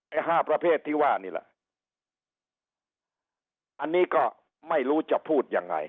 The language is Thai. ห้าประเภทที่ว่านี่แหละอันนี้ก็ไม่รู้จะพูดยังไง